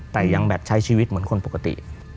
แต่ยังแบบใช้ชีวิตเหมือนคนปกติ